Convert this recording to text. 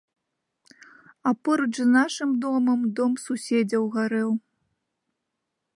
А поруч з нашым домам дом суседзяў гарэў.